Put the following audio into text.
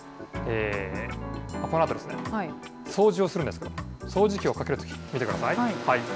このあとですね、掃除をするんですけど、掃除機をかけるとき、見てください。